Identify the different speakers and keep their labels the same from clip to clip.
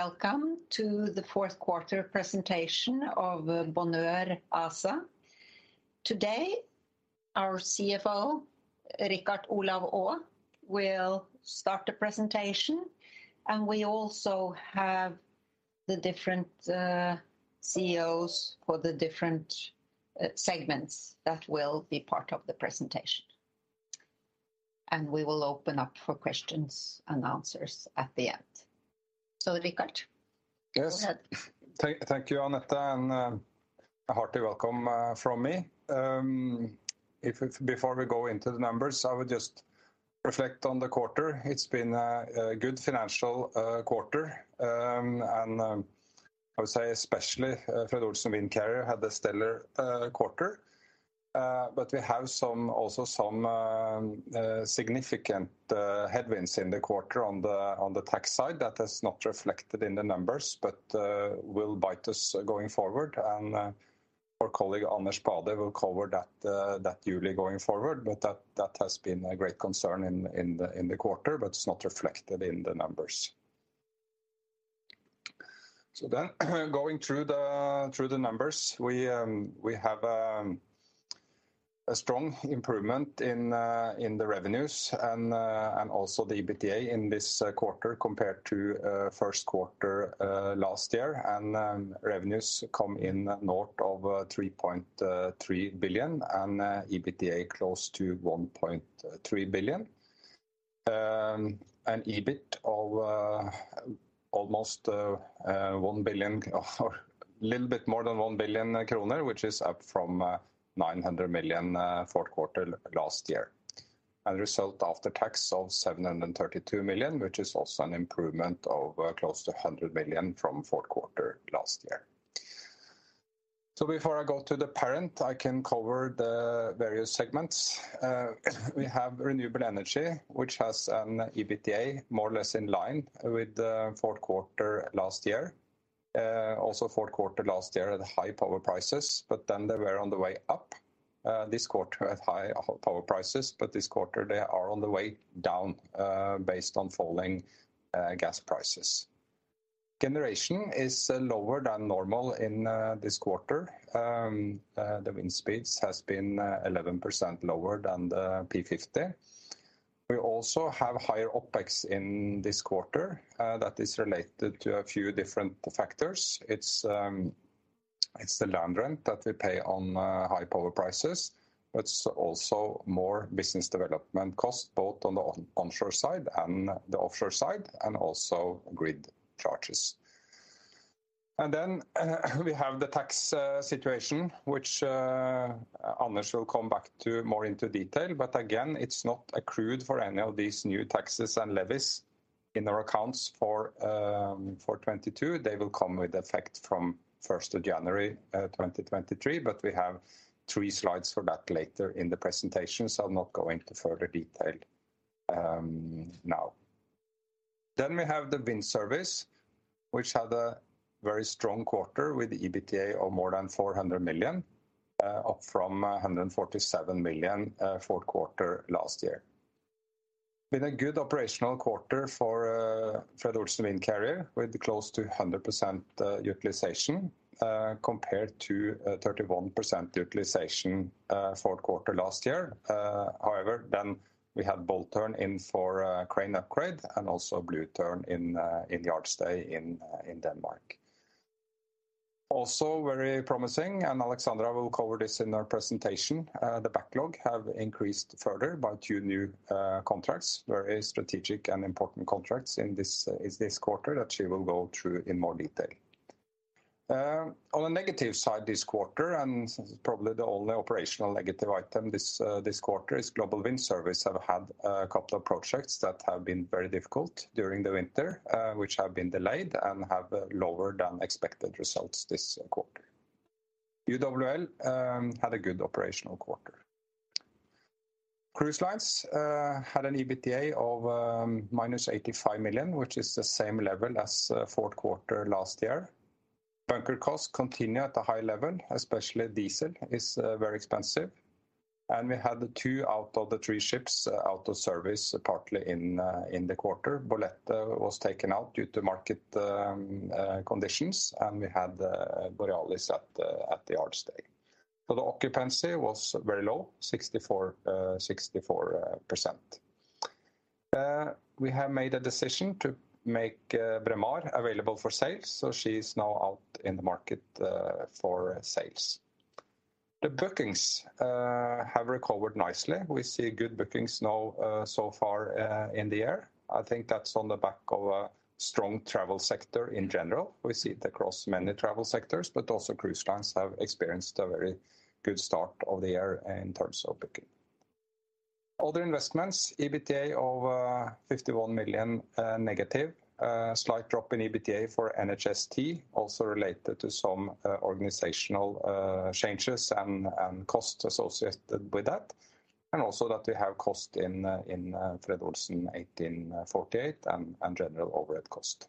Speaker 1: Welcome to the Fourth Quarter Presentation of Bonheur ASA. Today, our CFO, Richard Olav Aas will start the presentation, and we also have the different CEOs for the different segments that will be part of the presentation. We will open up for questions and answers at the end. Richard.
Speaker 2: Yes.
Speaker 1: Go ahead.
Speaker 2: Thank you, Anette, a hearty welcome from me. Before we go into the numbers, I would just reflect on the quarter. It's been a good financial quarter. I would say especially Fred. Olsen Windcarrier had a stellar quarter. We have also some significant headwinds in the quarter on the tax side that is not reflected in the numbers but will bite us going forward. Our colleague, Anders Bade, will cover that yearly going forward, that has been a great concern in the quarter, it's not reflected in the numbers. Going through the numbers, we have a strong improvement in the revenues and also the EBITDA in this quarter compared to first quarter last year. Revenues come in north of 3.3 billion and EBITDA close to 1.3 billion. EBIT of almost 1 billion or little bit more than 1 billion kroner, which is up from 900 million fourth quarter last year. Result after tax of 732 million, which is also an improvement of close to 100 million from fourth quarter last year. Before I go to the parent, I can cover the various segments. We have Renewable Energy, which has an EBITDA more or less in line with fourth quarter last year. Fourth quarter last year at high power prices, but then they were on the way up. This quarter at high power prices, but this quarter they are on the way down, based on falling gas prices. Generation is lower than normal in this quarter. The wind speeds has been 11% lower than the P50. We also have higher OpEx in this quarter, that is related to a few different factors. It's, it's the land rent that we pay on high power prices. It's also more business development costs, both on the onshore side and the offshore side and also grid charges. We have the tax situation, which Anders shall come back to more into detail. Again, it's not accrued for any of these new taxes and levies in our accounts for 2022. They will come with effect from first of January 2023. We have three slides for that later in the presentation. I'm not going to further detail now. We have the Wind Service, which had a very strong quarter with EBITDA of more than 400 million, up from 147 million, fourth quarter last year. Been a good operational quarter for Fred. Olsen Windcarrier, with close to 100% utilization, compared to 31% utilization, fourth quarter last year. However, we had Bold Tern in for a crane upgrade and also Blue Tern in yard stay in Denmark. Also very promising, and Alexandra will cover this in her presentation, the backlog have increased further by two new contracts, very strategic and important contracts in this quarter that she will go through in more detail. On a negative side this quarter, and probably the only operational negative item this quarter is Global Wind Service have had a couple of projects that have been very difficult during the winter, which have been delayed and have lower than expected results this quarter. UWL had a good operational quarter. Cruise lines had an EBITDA of -85 million, which is the same level as fourth quarter last year. Bunker costs continue at a high level, especially diesel is very expensive. We had the two out of the three ships out of service, partly in the quarter. Bolette was taken out due to market conditions, and we had the Borealis at the yard stay. The occupancy was very low, 64%. We have made a decision to make Braemar available for sale, so she is now out in the market for sales. The bookings have recovered nicely. We see good bookings now so far in the year. I think that's on the back of a strong travel sector in general. We see it across many travel sectors, but also cruise lines have experienced a very good start of the year in terms of booking. Other investments, EBITDA of 51 million negative. Slight drop in EBITDA for NHST, also related to some organizational changes and costs associated with that. Also that we have cost in Fred. Olsen 1848 and general overhead cost.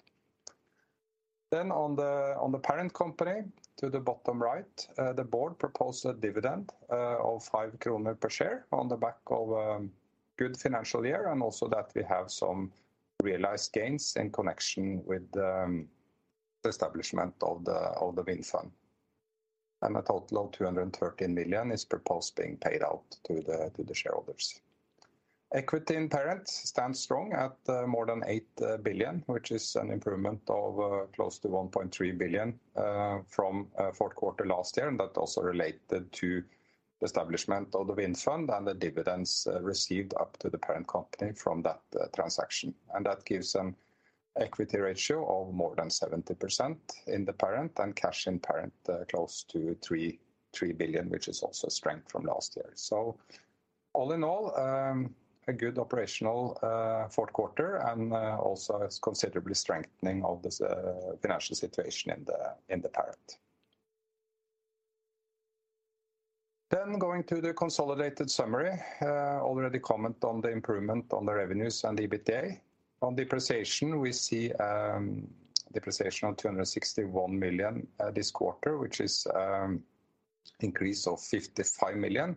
Speaker 2: On the parent company to the bottom right, the board proposed a dividend of 5 kroner per share on the back of good financial year, and also that we have some realized gains in connection with the establishment of the wind farm. A total of 213 million is proposed being paid out to the shareholders. Equity in parent stands strong at more than 8 billion, which is an improvement of close to 1.3 billion from fourth quarter last year. That also related to establishment of the wind farm and the dividends received up to the parent company from that transaction. That gives an equity ratio of more than 70% in the parent and cash in parent close to 3 billion, which is also a strength from last year. All in all, a good operational fourth quarter and also considerably strengthening of the financial situation in the parent. Going to the consolidated summary, already comment on the improvement on the revenues and the EBITDA. On depreciation, we see depreciation of 261 million this quarter, which is increase of 55 million.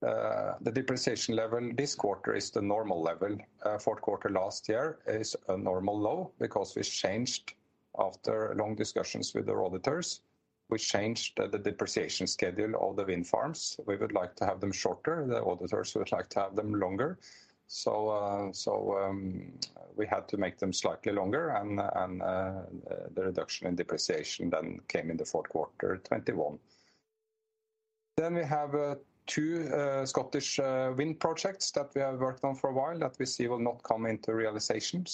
Speaker 2: The depreciation level this quarter is the normal level. Fourth quarter last year is a normal low because we changed, after long discussions with our auditors, we changed the depreciation schedule of the wind farms. We would like to have them shorter, the auditors would like to have them longer. We had to make them slightly longer and, the reduction in depreciation then came in the fourth quarter 21. We have two Scottish wind projects that we have worked on for a while that we see will not come into realization.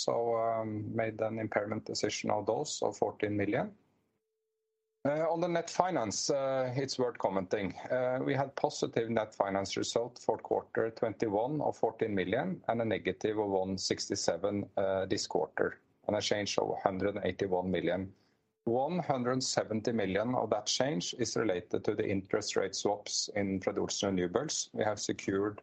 Speaker 2: Made an impairment decision of those, so 14 million. On the net finance, it's worth commenting. We had positive net finance result fourth quarter 21 of 14 million and a negative of 167 million this quarter, and a change of 181 million. 170 million of that change is related to the interest rate swaps in Fred. Olsen Renewables. We have secured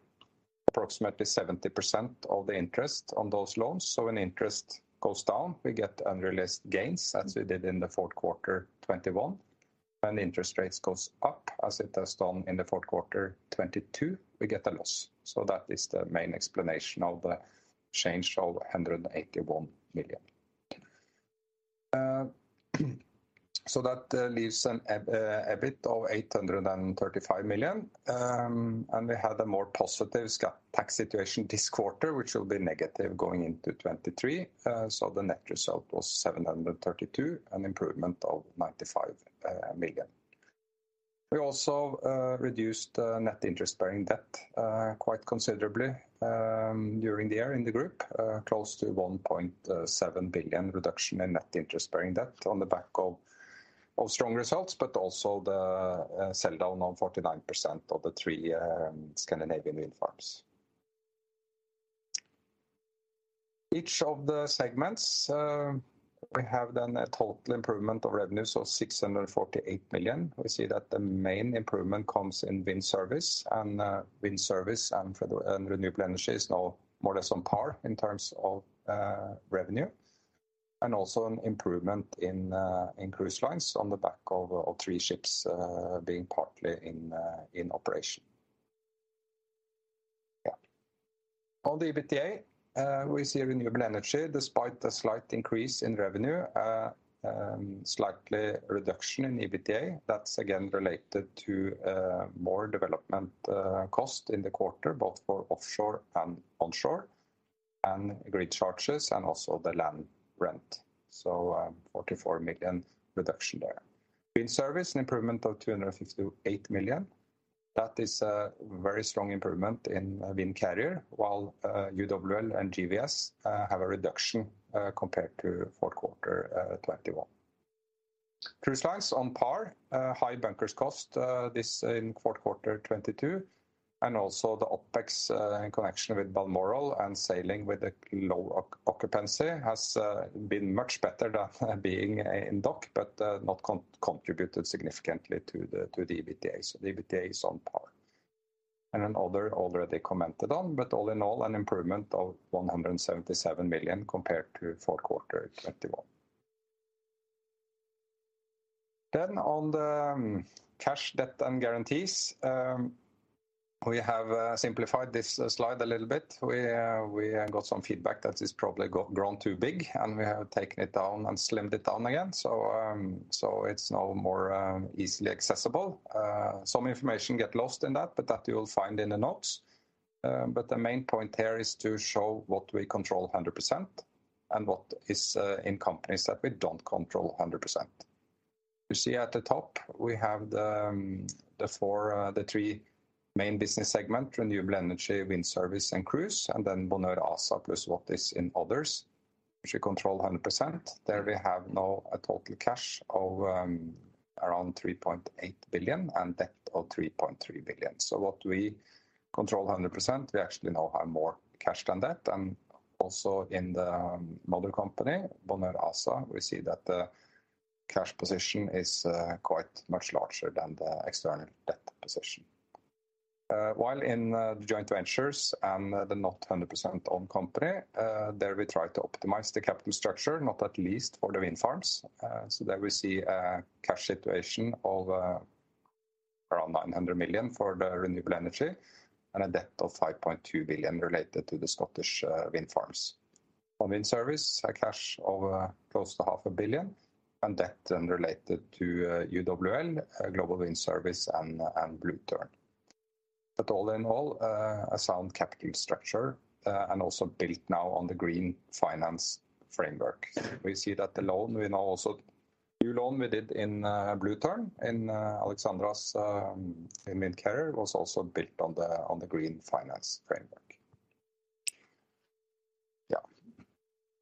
Speaker 2: approximately 70% of the interest on those loans. When interest goes down, we get unrealized gains as we did in fourth quarter 2021. When interest rates goes up, as it has done in fourth quarter 2022, we get a loss. That is the main explanation of the change of 181 million. That leaves an EBIT of 835 million. We had a more positive tax situation this quarter, which will be negative going into 2023. The net result was 732 million, an improvement of 95 million. We also reduced net interest-bearing debt quite considerably during the year in the group. Close to 1.7 billion reduction in net interest-bearing debt on the back of strong results, but also the sell down on 49% of the three Scandinavian wind farms. Each of the segments, we have done a total improvement of revenues of 648 million. We see that the main improvement comes in Wind Service and Wind Service and Fred. Olsen Renewables is now more or less on par in terms of revenue, and also an improvement in cruise lines on the back of three ships being partly in operation. Yeah. On the EBITDA, we see Fred. Olsen Renewables, despite a slight increase in revenue, slightly reduction in EBITDA. That's again related to more development cost in the quarter, both for offshore and onshore, and grid charges and also the land rent. 44 million reduction there. Wind Service, an improvement of 258 million. That is a very strong improvement in Wind Carrier, while UWL and GWS have a reduction compared to fourth quarter 2021. Cruise Lines on par. High bunkers cost this in fourth quarter 2022, and also the OpEx in connection with Balmoral and sailing with a low occupancy has been much better than being in dock, but not contributed significantly to the EBITDA. The EBITDA is on par. Other, already commented on, but all in all, an improvement of 177 million compared to fourth quarter 2021. On the cash, debt and guarantees, we have simplified this slide a little bit. We got some feedback that it's probably grown too big, and we have taken it down and slimmed it down again. It's now more easily accessible. Some information get lost in that, but that you will find in the notes. The main point here is to show what we control 100% and what is in companies that we don't control 100%. You see at the top we have the four, the three main business segment, Renewable Energy, Wind Service and Cruise, and then Bonheur ASA plus what is in others, which we control 100%. There we have now a total cash of around 3.8 billion and debt of 3.3 billion. What we control 100%, we actually now have more cash than debt. Also in the mother company, Bonheur ASA, we see that the cash position is quite much larger than the external debt position. While in the joint ventures and the not 100% owned company, there we try to optimize the capital structure, not at least for the wind farms. There we see a cash situation of around 900 million for the renewable energy and a debt of 5.2 billion related to the Scottish wind farms. On wind service, a cash of close to half a billion and debt then related to UWL, Global Wind Service and Blue Tern. All in all, a sound capital structure and also built now on the Green Finance Framework. We see that the loan we now New loan we did in Blue Tern in Alexandra's in Windcarrier was also built on the Green Finance Framework.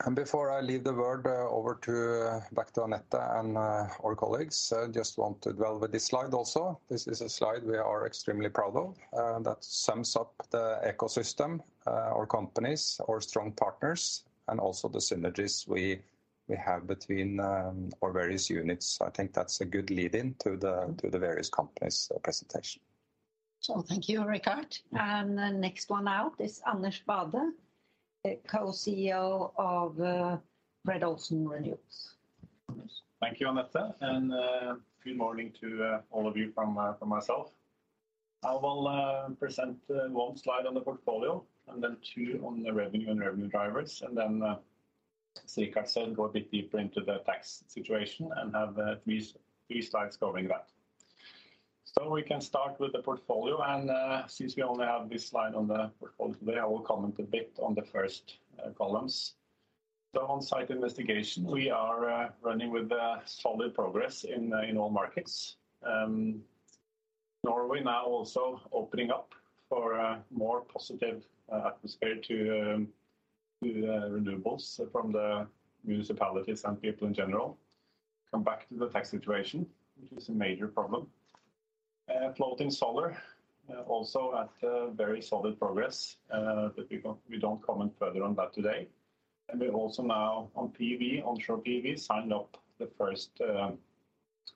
Speaker 2: Yeah. Before I leave the word back to Anette and our colleagues, just want to dwell with this slide also. This is a slide we are extremely proud of that sums up the ecosystem, our companies, our strong partners, and also the synergies we have between our various units. I think that's a good lead in to the various companies' presentation.
Speaker 1: Thank you, Richard. The next one out is Anders Bade, Co-CEO of Fred. Olsen Renewables. Anders.
Speaker 3: Thank you, Anette. Good morning to all of you from myself. I will present one slide on the portfolio, two on the revenue and revenue drivers, as Richard said, go a bit deeper into the tax situation and have three slides covering that. We can start with the portfolio. Since we only have this slide on the portfolio today, I will comment a bit on the first columns. The on-site investigation, we are running with solid progress in all markets. Norway now also opening up for a more positive atmosphere to renewables from the municipalities and people in general. Come back to the tax situation, which is a major problem. Floating solar also at very solid progress, we don't comment further on that today. We also now on PV, onshore PV, signed up the first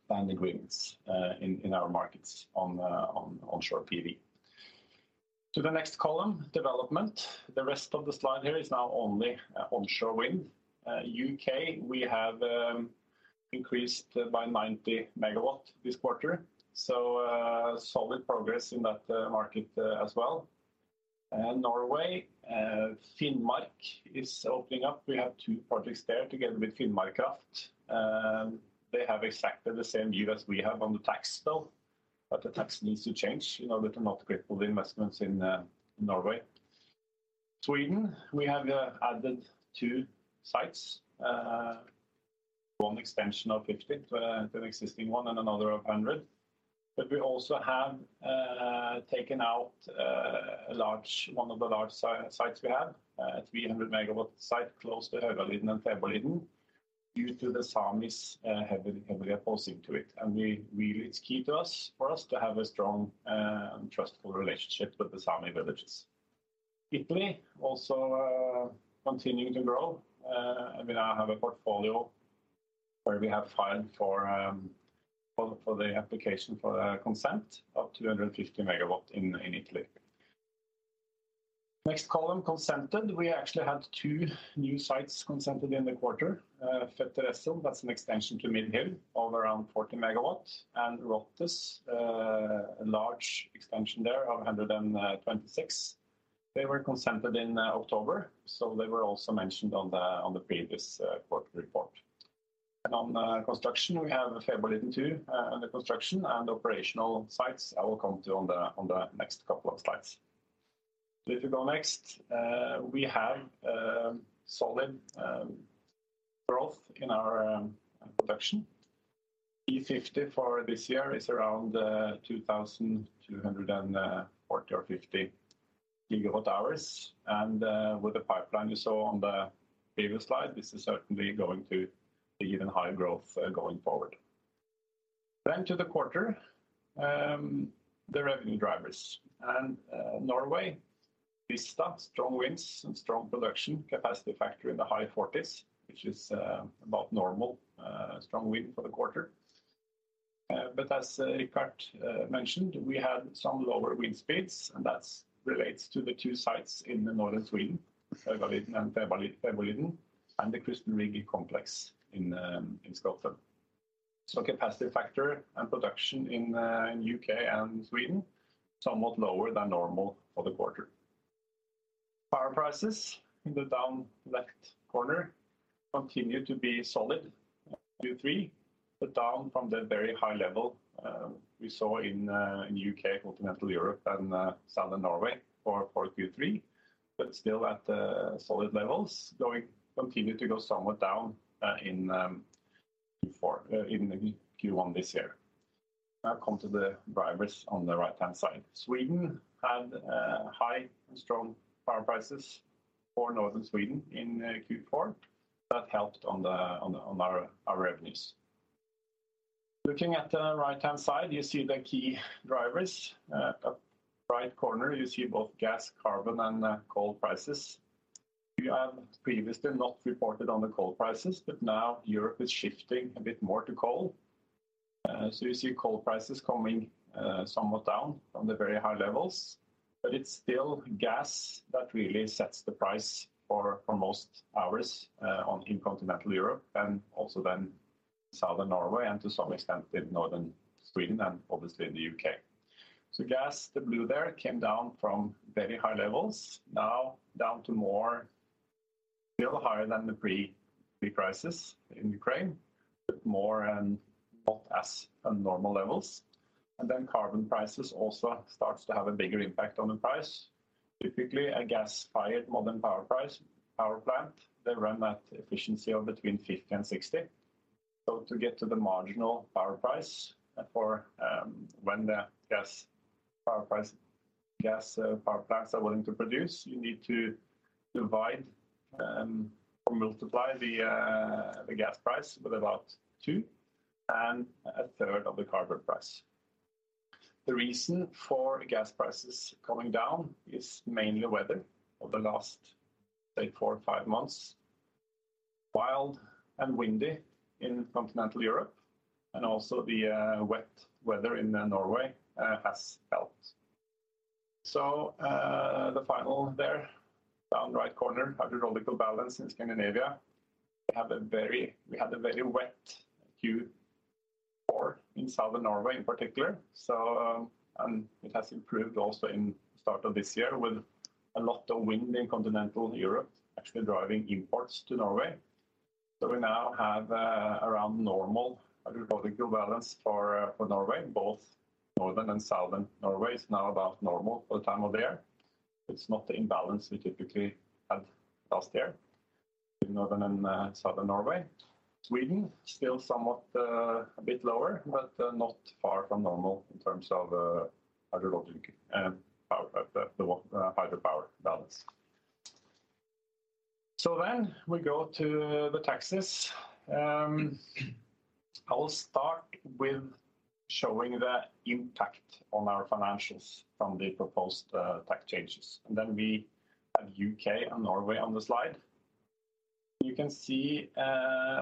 Speaker 3: planned agreements in our markets on onshore PV. To the next column, development. The rest of the slide here is now only onshore wind. U.K., we have increased by 90 MW this quarter. Solid progress in that market as well. Norway, Finnmark is opening up. We have two projects there together with Finnmark Kraft. They have exactly the same view as we have on the tax bill, the tax needs to change in order to not kill the investments in Norway. Sweden, we have added two sites. One extension of 50 MW to an existing one and another of 100 MW. We also have taken out one of the large sites we have, a 300 MW site close to Överliden and Fäbodliden due to the Sámi heavily opposing to it. Really it's key to us, for us to have a strong and trustful relationship with the Sámi villages. Italy also continuing to grow. We now have a portfolio where we have filed for the application for the consent of 250 MW in Italy. Next column, consented. We actually had two new sites consented in the quarter. Fetteresso, that's an extension to Mid Hill of around 40 MW, and Rothes, a large extension there of 126 MW. They were consented in October. They were also mentioned on the previous quarter report. On construction, we have Fäbodliden II under construction and operational sites I will come to on the next couple of slides. If you go next, we have solid growth in our production. P50 for this year is around 2,240 or 50 GWh. With the pipeline you saw on the previous slide, this is certainly going to be even higher growth going forward. To the quarter, the revenue drivers. Norway, we start strong winds and strong production capacity factor in the high 40s, which is about normal strong wind for the quarter. As Richard mentioned, we had some lower wind speeds, and that's relates to the two sites in the northern Sweden, Överliden and Fäbodliden, and the Crystal Rig complex in Scotland. Capacity factor and production in U.K. and Sweden, somewhat lower than normal for the quarter. Power prices in the down left corner continue to be solid, Q3, but down from the very high level we saw in U.K., Continental Europe and Southern Norway for Q3, but still at solid levels, continue to go somewhat down in Q4... in the Q1 this year. Now come to the drivers on the right-hand side. Sweden had high and strong power prices for northern Sweden in Q4. That helped on our revenues. Looking at the right-hand side, you see the key drivers. Up right corner, you see both gas, carbon and coal prices. We have previously not reported on the coal prices, but now Europe is shifting a bit more to coal. You see coal prices coming somewhat down from the very high levels, but it's still gas that really sets the price for most hours, on, in continental Europe and also southern Norway and to some extent in northern Sweden and obviously in the U.K. Gas, the blue there, came down from very high levels, now down to more... Still higher than the pre-price crisis in Ukraine, but more and not as a normal levels. Carbon prices also starts to have a bigger impact on the price. Typically, a gas-fired modern power price, power plant, they run at efficiency of between 50 and 60. To get to the marginal power price for, when the gas power price, gas, power plants are willing to produce, you need to divide or multiply the gas price with about two and a third of the carbon price. The reason for the gas prices coming down is mainly weather over the last, say, four or five months. Wild and windy in continental Europe, and also the wet weather in Norway has helped. The final there, down right corner, hydrological balance in Scandinavia. We have a very, we had a very wet Q4 in southern Norway in particular. It has improved also in start of this year with a lot of wind in continental Europe actually driving imports to Norway. We now have around normal hydrological balance for Norway, both northern and southern Norway is now about normal for the time of year. It's not the imbalance we typically have last year in northern and southern Norway. Sweden still somewhat a bit lower, not far from normal in terms of hydrologic and hydropower balance. We go to the taxes. I will start with showing the impact on our financials from the proposed tax changes. We have U.K. and Norway on the slide. You can see,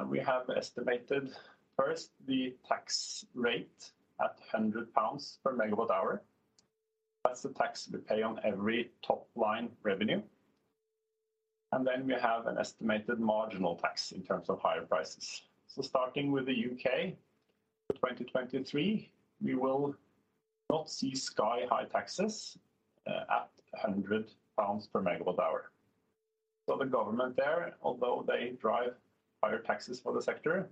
Speaker 3: we have estimated first the tax rate at 100 pounds per megawatt hour. That's the tax we pay on every top-line revenue. Then we have an estimated marginal tax in terms of higher prices. Starting with the U.K. for 2023, we will not see sky-high taxes at 100 pounds per megawatt hour. The government there, although they drive higher taxes for the sector,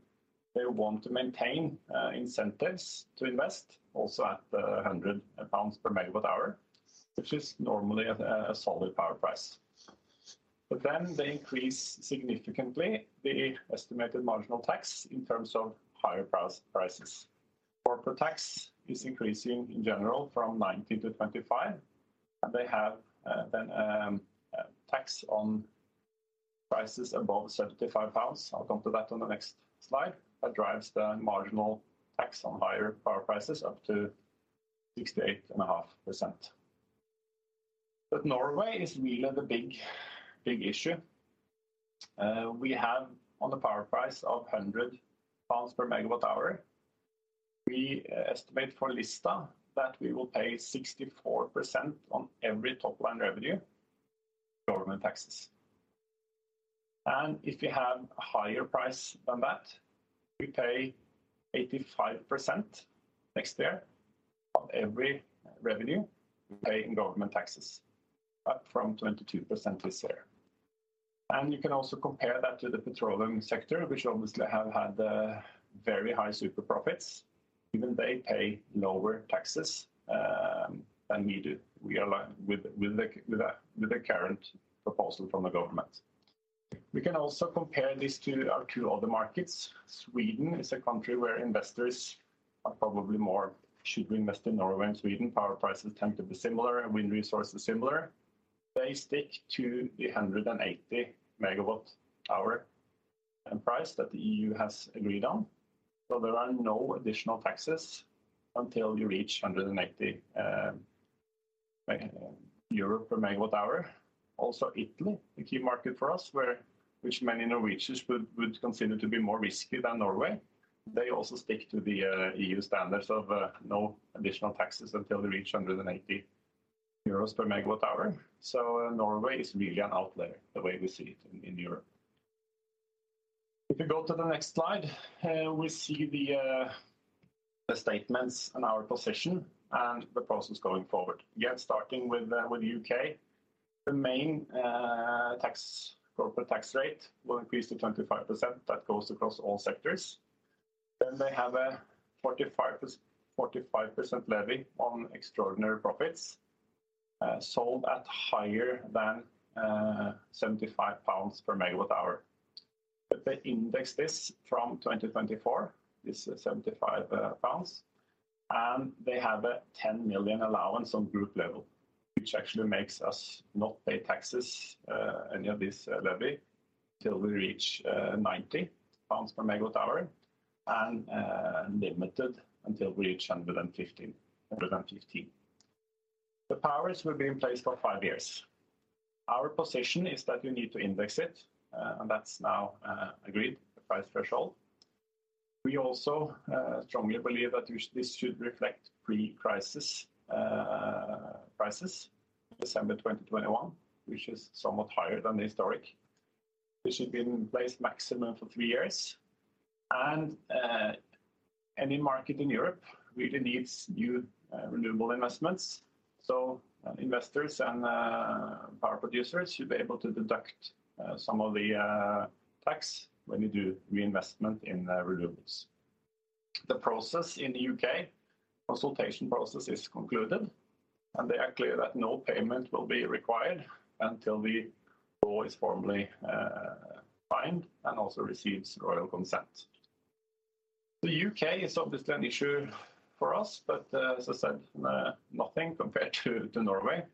Speaker 3: they want to maintain incentives to invest also at 100 pounds per megawatt hour, which is normally a solid power price. Then they increase significantly the estimated marginal tax in terms of higher prices. Corporate tax is increasing in general from 19%-25%, and they have then a tax on prices above 75 pounds. I'll come to that on the next slide. That drives the marginal tax on higher power prices up to 68.5%. Norway is really the big, big issue. We have on the power price of 100 pounds per megawatt hour, we estimate for Lista that we will pay 64% on every top-line revenue, government taxes. If we have a higher price than that, we pay 85% next year of every revenue we pay in government taxes, up from 22% this year. You can also compare that to the petroleum sector, which obviously have had very high super profits. Even they pay lower taxes than we do. We are with the current proposal from the government. We can also compare this to our two other markets. Sweden is a country where investors are probably more, "Should we invest in Norway and Sweden?" Power prices tend to be similar and wind resource is similar. They stick to the 180 MWh price that the EU has agreed on, so there are no additional taxes until you reach 180 euro per megawatt hour. Also Italy, a key market for us, which many Norwegians would consider to be more risky than Norway. They also stick to the EU standards of no additional taxes until they reach 180 euros per megawatt hour. Norway is really an outlier the way we see it in Europe. If you go to the next slide, we see the statements and our position and the process going forward. Again, starting with the U.K., the main tax, corporate tax rate will increase to 25%. That goes across all sectors. They have a 45% levy on extraordinary profits, sold at higher than 75 pounds per megawatt hour. They index this from 2024, this 75 pounds, and they have a 10 million allowance on group level, which actually makes us not pay taxes, any of this levy till we reach 90 pounds per megawatt hour and limited until we reach 115. The powers will be in place for five years. Our position is that you need to index it, and that's now agreed, the price threshold. We also strongly believe that this should reflect pre-crisis prices, December 2021, which is somewhat higher than the historic. This should be in place maximum for three years. Any market in Europe really needs new renewable investments. Investors and power producers should be able to deduct some of the tax when you do reinvestment in renewables. The process in the U.K., consultation process is concluded, and they are clear that no payment will be required until the law is formally signed, and also receives royal consent. The U.K. is obviously an issue for us, but as I said, nothing compared to Norway.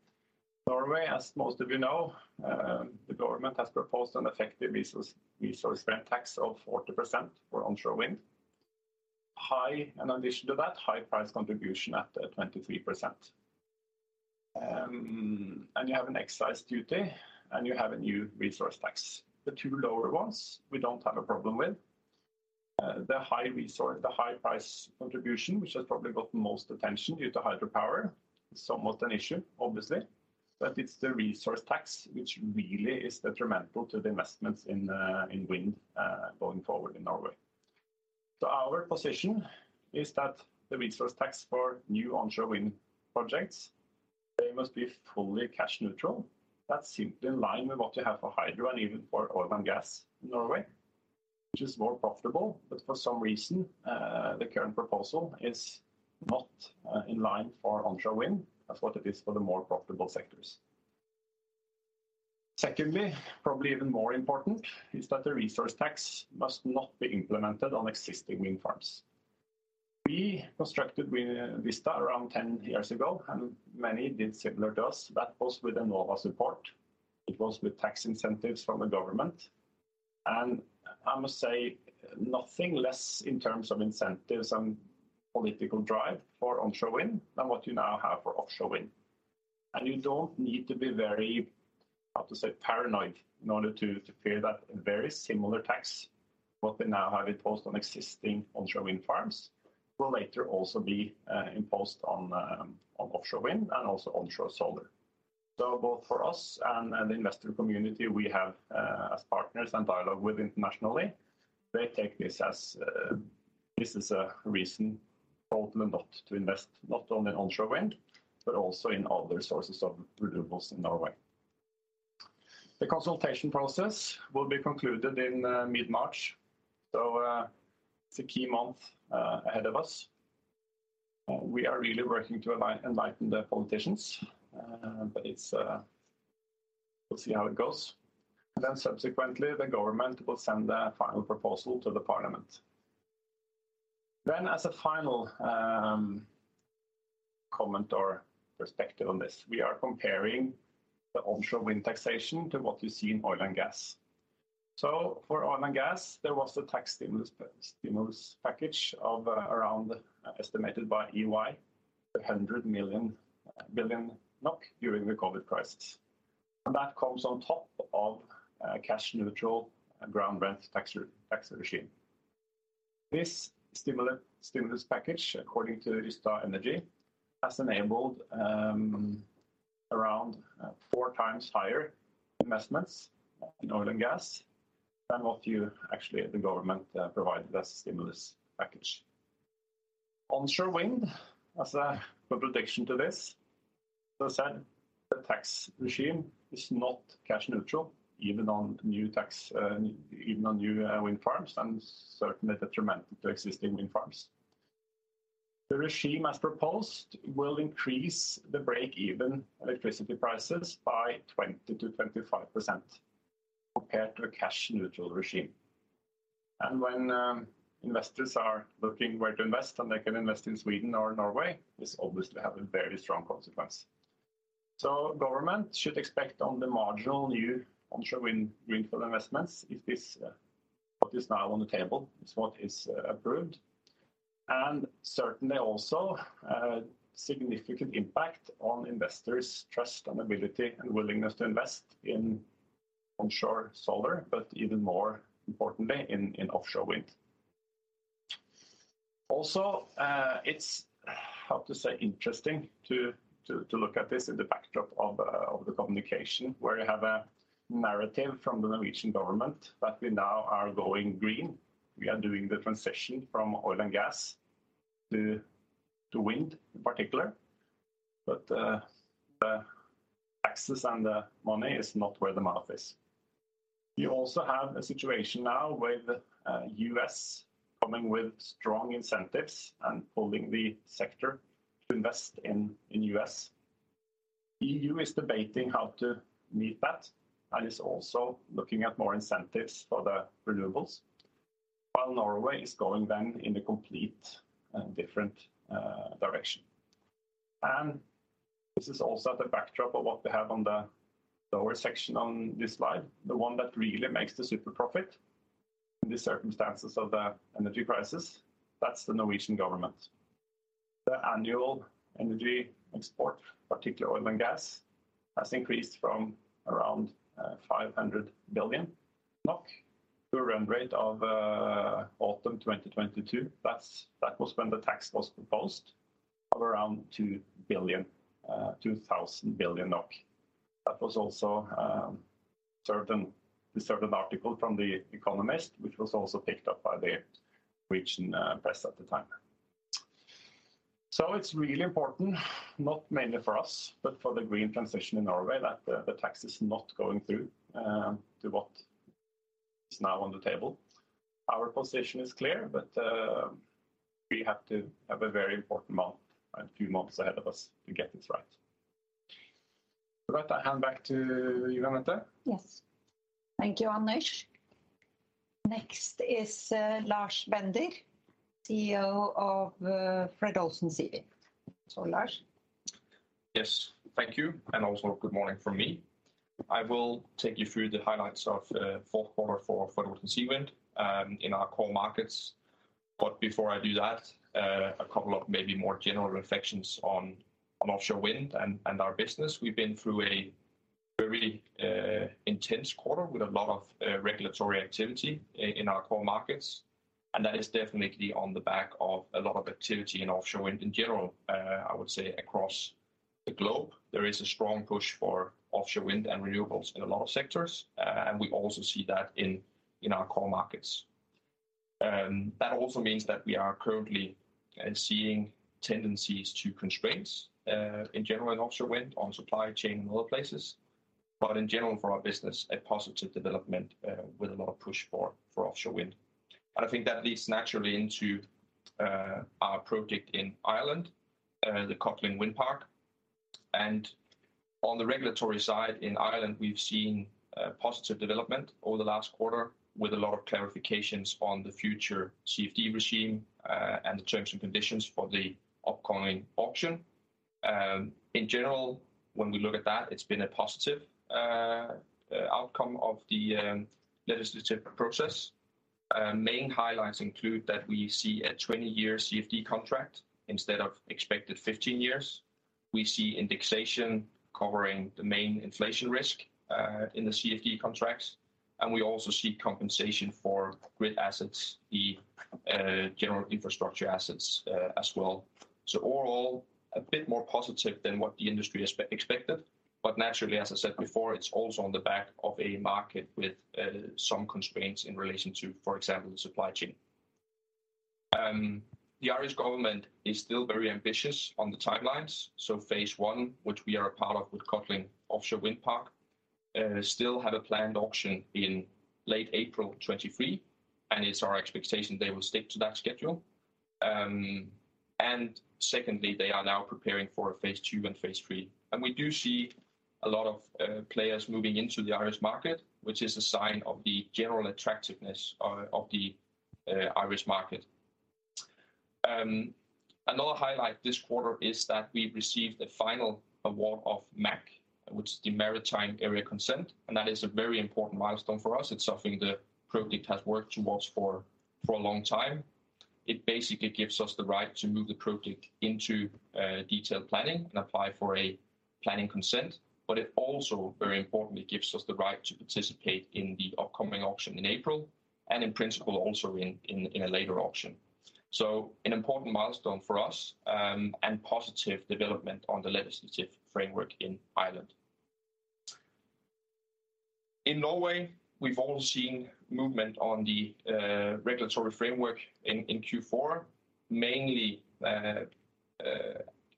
Speaker 3: Norway, as most of you know, the government has proposed an effective resource rent tax of 40% for onshore wind. High, in addition to that, high price contribution at 23%. You have an excise duty, and you have a new resource tax. The two lower ones, we don't have a problem with. The high resource… The high-price contribution, which has probably got the most attention due to hydropower, is somewhat an issue, obviously. It's the resource tax which really is detrimental to the investments in wind going forward in Norway. Our position is that the resource tax for new onshore wind projects, they must be fully cash neutral. That's simply in line with what you have for hydro and even for oil and gas in Norway, which is more profitable. For some reason, the current proposal is not in line for onshore wind as what it is for the more profitable sectors. Secondly, probably even more important, is that the resource tax must not be implemented on existing wind farms. We constructed Wind Vista around 10 years ago, and many did similar to us. That was with Enova support. It was with tax incentives from the government. I must say nothing less in terms of incentives and political drive for onshore wind than what you now have for offshore wind. You don't need to be very, how to say, paranoid in order to fear that very similar tax, what they now have imposed on existing onshore wind farms, will later also be imposed on offshore wind and also onshore solar. Both for us and the investor community we have as partners and dialogue with internationally, they take this as this as a reason probably not to invest, not only in onshore wind, but also in other sources of renewables in Norway. The consultation process will be concluded in mid-March. It's a key month ahead of us. We are really working to enlighten the politicians, it's, we'll see how it goes. The government will send a final proposal to the parliament. As a final comment or perspective on this, we are comparing the onshore wind taxation to what you see in oil and gas. For oil and gas, there was a tax stimulus package of around, estimated by EY, 100 billion NOK during the COVID crisis. That comes on top of a cash neutral ground rent tax regime. This stimulus package, according to Rystad Energy, has enabled around 4x higher investments in oil and gas than actually the government provided as stimulus package. Onshore wind, as a prediction to this, as I said, the tax regime is not cash neutral, even on new tax, even on new wind farms, and certainly detrimental to existing wind farms. The regime, as proposed, will increase the break-even electricity prices by 20%-25% compared to a cash neutral regime. When investors are looking where to invest, and they can invest in Sweden or Norway, this obviously have a very strong consequence. Government should expect on the marginal new onshore wind, windfall investments if this, what is now on the table is what is approved. Certainly also, significant impact on investors' trust and ability and willingness to invest in onshore solar, but even more importantly in offshore wind. It's, how to say, interesting to look at this in the backdrop of the communication, where you have a narrative from the Norwegian government that we now are going green. We are doing the transition from oil and gas to wind in particular. The taxes and the money is not where the mouth is. You also have a situation now with U.S. coming with strong incentives and pulling the sector to invest in U.S. EU is debating how to meet that, is also looking at more incentives for the renewables, while Norway is going then in a complete and different direction. This is also the backdrop of what we have on the lower section on this slide, the one that really makes the super profit. In the circumstances of the energy crisis, that's the Norwegian government. The annual energy export, particularly oil and gas, has increased from around 500 billion NOK to a run rate of autumn 2022. That was when the tax was proposed of around 2 billion, 2,000 billion NOK. That was also a certain article from The Economist, which was also picked up by the Norwegian press at the time. It's really important, not mainly for us, but for the green transition in Norway, that the tax is not going through to what is now on the table. Our position is clear, we have to have a very important month, a few months ahead of us to get this right. With that, I hand back to you, Anette.
Speaker 1: Yes. Thank you, Anders. Next is Lars Bender, CEO of Fred. Olsen Seawind. Lars.
Speaker 4: Yes. Thank you. Also good morning from me. I will take you through the highlights of fourth quarter for Fred. Olsen Seawind in our core markets. Before I do that, a couple of maybe more general reflections on offshore wind and our business. We've been through a very intense quarter with a lot of regulatory activity in our core markets, that is definitely on the back of a lot of activity in offshore wind in general. I would say across the globe, there is a strong push for offshore wind and renewables in a lot of sectors. We also see that in our core markets. That also means that we are currently seeing tendencies to constraints in general in offshore wind, on supply chain and other places. In general for our business, a positive development with a lot of push for offshore wind. I think that leads naturally into our project in Ireland, the Codling Wind Park. On the regulatory side, in Ireland, we've seen positive development over the last quarter with a lot of clarifications on the future CFD regime and the terms and conditions for the upcoming auction. In general, when we look at that, it's been a positive outcome of the legislative process. Main highlights include that we see a 20-year CFD contract instead of expected 15 years. We see indexation covering the main inflation risk in the CFD contracts, and we also see compensation for grid assets, the general infrastructure assets as well. Overall, a bit more positive than what the industry expected. Naturally, as I said before, it's also on the back of a market with some constraints in relation to, for example, the supply chain. The Irish government is still very ambitious on the timelines. Phase I, which we are a part of with Codling Wind Park, still have a planned auction in late April 2023, and it's our expectation they will stick to that schedule. Secondly, they are now preparing for a phase II and phase III. We do see a lot of players moving into the Irish market, which is a sign of the general attractiveness of the Irish market. Another highlight this quarter is that we received the final award of MAC, which is the Maritime Area Consent, and that is a very important milestone for us. It's something the project has worked towards for a long time. It basically gives us the right to move the project into detailed planning and apply for a planning consent. It also, very importantly, gives us the right to participate in the upcoming auction in April, and in principle also in a later auction. An important milestone for us, and positive development on the legislative framework in Ireland. In Norway, we've all seen movement on the regulatory framework in Q4. Mainly,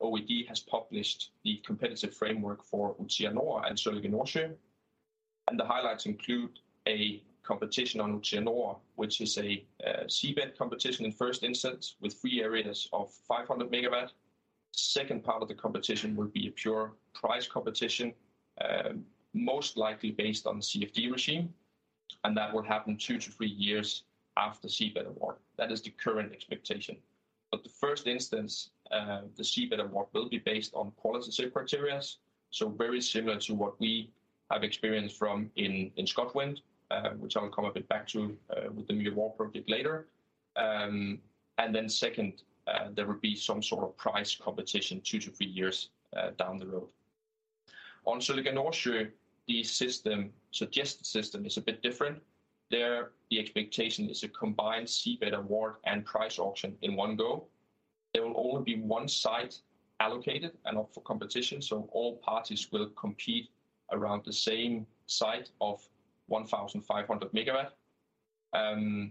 Speaker 4: OED has published the competitive framework for Utsira Nord and Sørlige Nordsjø. The highlights include a competition on Utsira Nord, which is a seabed competition in first instance with three areas of 500 MW. Second part of the competition will be a pure price competition, most likely based on the CFD regime, and that will happen two to three years after seabed award. That is the current expectation. The first instance, the seabed award will be based on qualitative criteria, so very similar to what we have experienced from in ScotWind, which I'll come a bit back to, with the MeyGen project later. Second, there will be some sort of price competition two to three years down the road. On Sørlige Nordsjø, the suggested system is a bit different. The expectation is a combined seabed award and price auction in one go. Only one site will be allocated and up for competition, so all parties will compete around the same site of 1,500 MW.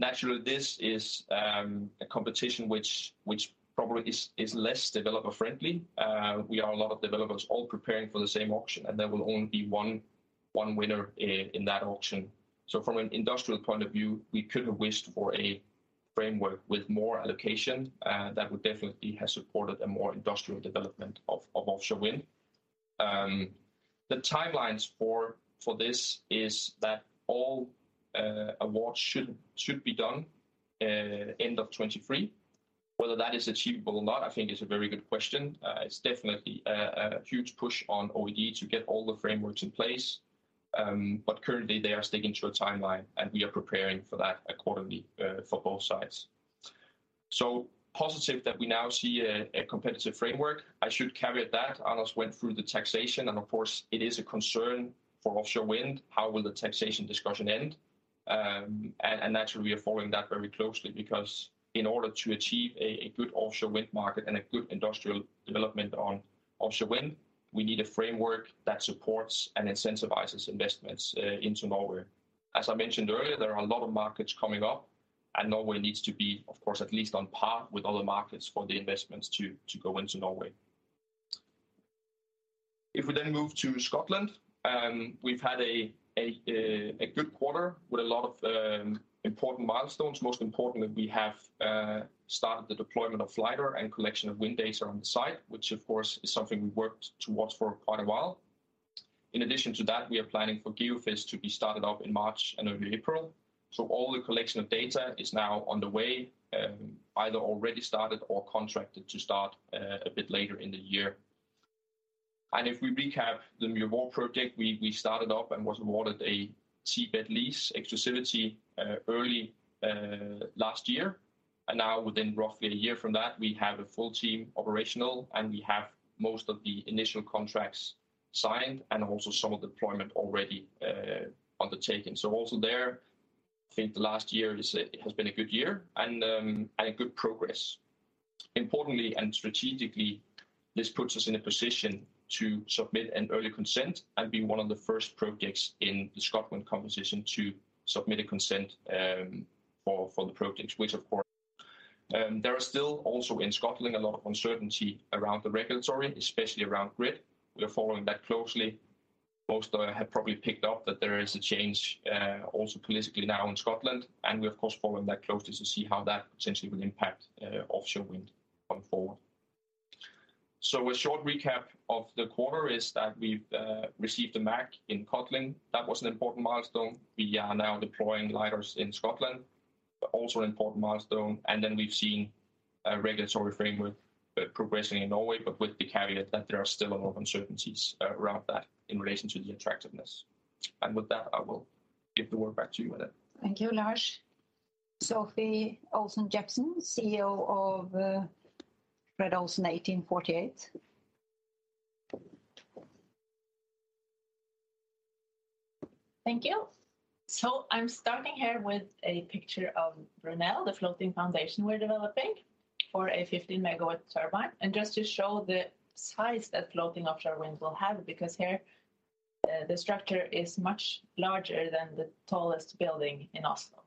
Speaker 4: Naturally, this is a competition which probably is less developer friendly. We are a lot of developers all preparing for the same auction, and there will only be one winner in that auction. From an industrial point of view, we could have wished for a framework with more allocation. That would definitely have supported a more industrial development of offshore wind. The timelines for this is that all awards should be done end of 2023. Whether that is achievable or not, I think is a very good question. It's definitely a huge push on OED to get all the frameworks in place. Currently they are sticking to a timeline, and we are preparing for that accordingly, for both sides. Positive that we now see a competitive framework. I should caveat that. Anders went through the taxation and of course it is a concern for offshore wind, how will the taxation discussion end? Naturally we are following that very closely because in order to achieve a good offshore wind market and a good industrial development on offshore wind, we need a framework that supports and incentivizes investments into Norway. As I mentioned earlier, there are a lot of markets coming up, Norway needs to be, of course, at least on par with other markets for the investments to go into Norway. If we move to Scotland, we've had a good quarter with a lot of important milestones. Most importantly, we have started the deployment of LIDAR and collection of wind data on the site, which of course is something we worked towards for quite a while. In addition to that, we are planning for geophys to be started up in March and early April. All the collection of data is now on the way, either already started or contracted to start a bit later in the year. If we recap the Muir Mhòr project, we started up and was awarded a seabed lease exclusivity early last year. Now within roughly a year from that, we have a full team operational, and we have most of the initial contracts signed and also some of deployment already undertaken. Also there, I think the last year has been a good year and a good progress. Importantly and strategically, this puts us in a position to submit an early consent and be one of the first projects in the Scotland competition to submit a consent for the projects. There are still also in Scotland a lot of uncertainty around the regulatory, especially around grid. We are following that closely. Most have probably picked up that there is a change also politically now in Scotland, and we of course following that closely to see how that potentially will impact offshore wind going forward. A short recap of the quarter is that we've received a MAC in Scotland. That was an important milestone. We are now deploying LIDARs in Scotland. Also important milestone. We've seen a regulatory framework progressing in Norway, but with the caveat that there are still a lot of uncertainties around that in relation to the attractiveness. I will give the word back to you, Anette.
Speaker 1: Thank you, Lars. Sofie Olsen Jebsen, CEO of Fred. Olsen 1848.
Speaker 5: Thank you. I'm starting here with a picture of Brunel, the floating foundation we're developing for a 50 MW turbine. Just to show the size that floating offshore wind will have, because here, the structure is much larger than the tallest building in Oslo.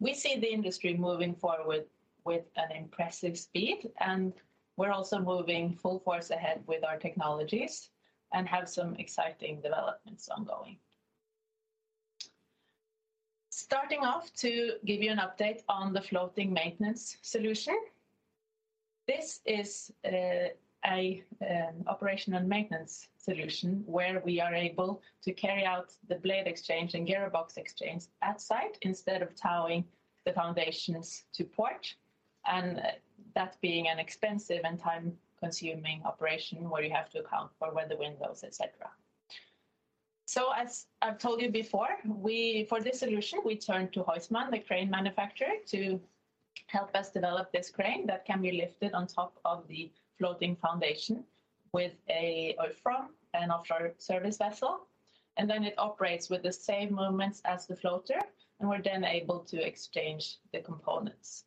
Speaker 5: We see the industry moving forward with an impressive speed, and we're also moving full force ahead with our technologies and have some exciting developments ongoing. Starting off to give you an update on the floating maintenance solution. This is an operational maintenance solution where we are able to carry out the blade exchange and gearbox exchange at site instead of towing the foundations to port, and that being an expensive and time-consuming operation where you have to account for where the wind blows, et cetera. As I've told you before, we, for this solution, turned to Huisman, the crane manufacturer, to help us develop this crane that can be lifted on top of the floating foundation or from an offshore service vessel. Then it operates with the same movements as the floater, and we're then able to exchange the components.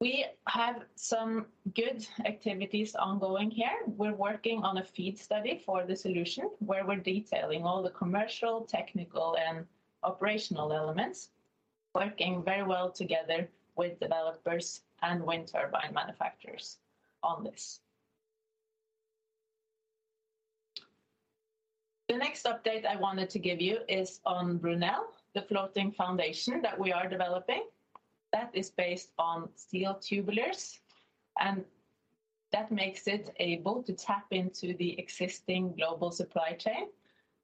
Speaker 5: We have some good activities ongoing here. We're working on a FEED study for the solution, where we're detailing all the commercial, technical, and operational elements, working very well together with developers and wind turbine manufacturers on this. The next update I wanted to give you is on Brunel, the floating foundation that we are developing. That is based on steel tubulars, that makes it able to tap into the existing global supply chain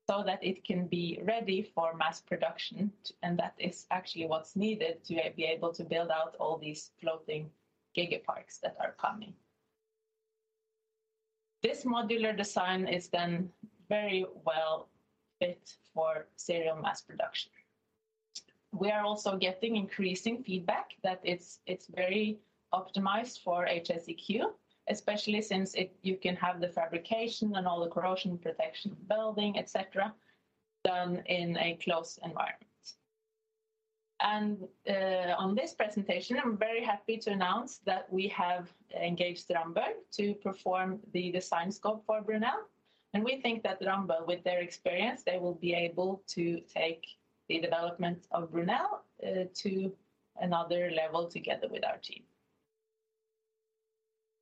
Speaker 5: so that it can be ready for mass production, that is actually what's needed to be able to build out all these floating gigaparks that are coming. This modular design is very well fit for serial mass production. We are also getting increasing feedback that it's very optimized for HSEQ, especially since you can have the fabrication and all the corrosion protection building, et cetera, done in a closed environment. On this presentation, I'm very happy to announce that we have engaged Ramboll to perform the design scope for Brunel. We think that Ramboll, with their experience, they will be able to take the development of Brunel to another level together with our team.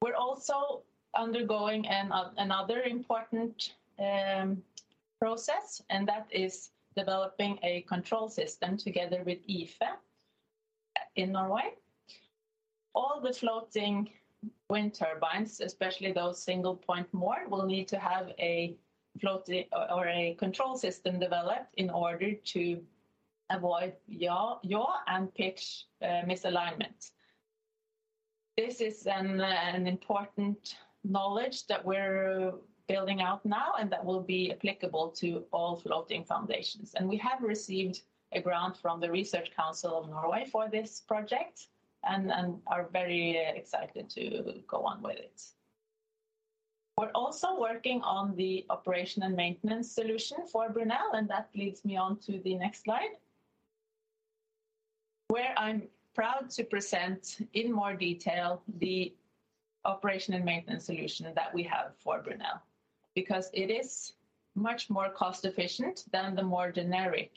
Speaker 5: We're also undergoing another important process, and that is developing a control system together with IFE in Norway. All the floating wind turbines, especially those single point moor, will need to have a floating or a control system developed in order to avoid yaw and pitch misalignment. This is an important knowledge that we're building out now and that will be applicable to all floating foundations. We have received a grant from the Research Council of Norway for this project and are very excited to go on with it. We're also working on the operation and maintenance solution for Brunel, and that leads me on to the next slide. I'm proud to present in more detail the operation and maintenance solution that we have for Brunel, because it is much more cost efficient than the more generic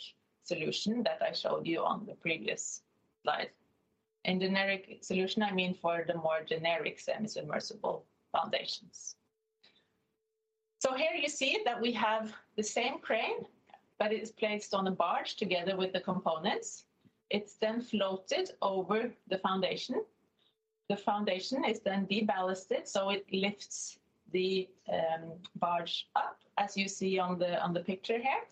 Speaker 5: solution that I showed you on the previous slide. Generic solution I mean for the more generic semi-submersible foundations. Here you see that we have the same crane, but it's placed on a barge together with the components. It's floated over the foundation. The foundation is de-ballasted, it lifts the barge up as you see on the picture here.